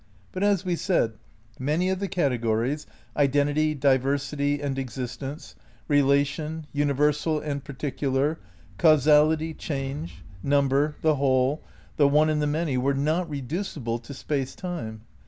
But as we said, many of the categories: Identity, Diversity and Existence ; Eelation ; Universal and Par ticular; Causality, Change; Number, the Whole; the One and the Many were not reducible to Space Time.